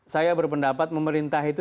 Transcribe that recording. saya berpendapat memerintah itu